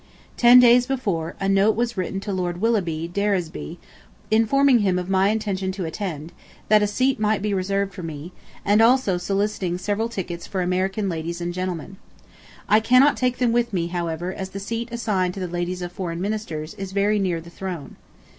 Ten days before, a note was written to Lord Willoughby d'Eresby, informing him of my intention to attend, that a seat might be reserved for me, and also soliciting several tickets for American ladies and gentlemen. ... I cannot take them with me, however, as the seat assigned to the ladies of Foreign Ministers is very near the throne.